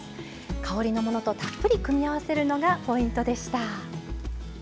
香りのものとたっぷり組み合わせるのがポイントでした。